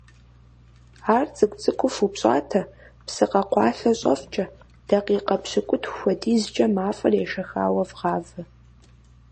Ар цӀыкӀу-цӀыкӀуу фупщӀатэ, псы къэкъуалъэ щӀэфкӀэ, дакъикъэ пщыкӏутху хуэдизкӀэ мафӀэр ешэхауэ вгъавэ.